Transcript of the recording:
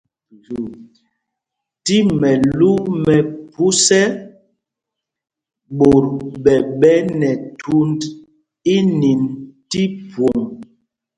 Tí mɛlú mɛ phus ɛ, ɓot ɓɛ̂ ɓɛ nɛ thund ínîn tí phwoŋ.